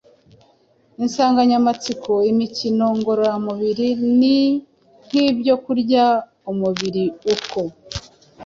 Insanganyamatsiko Imikino ngororamubiri ni nk’ibyo kurya umubiri uk